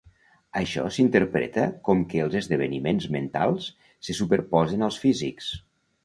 Això s'interpreta com que els esdeveniments mentals se superposen als físics.